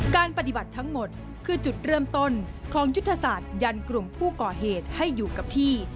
การปฏิบัติทั้งหมดคือจุดเริ่มต้นของยุทธศาสตร์ยันกลุ่มผู้ก่อเหตุให้อยู่กับที่